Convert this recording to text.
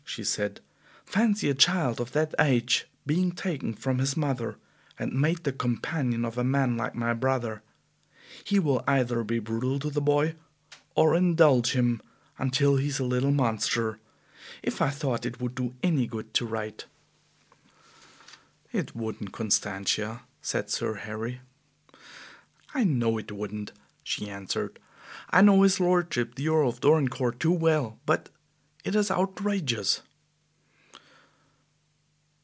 she said. "Fancy a child of that age being taken from his mother, and made the companion of a man like my brother! He will either be brutal to the boy or indulge him until he is a little monster. If I thought it would do any good to write " "It wouldn't, Constantia," said Sir Harry. "I know it wouldn't," she answered. "I know his lordship the Earl of Dorincourt too well; but it is outrageous."